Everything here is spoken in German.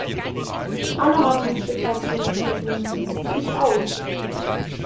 Alle haben ein Stück weit zurückstecken müssen, ich auch.